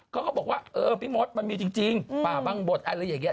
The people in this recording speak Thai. เขาก็บอกว่าเออพี่มดมันมีจริงป่าบังบดอะไรอย่างนี้